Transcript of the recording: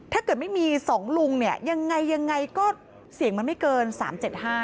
ถ้าเกิดไม่มีสองลุงเนี่ยยังไงยังไงก็เสียงมันไม่เกิน๓๗๕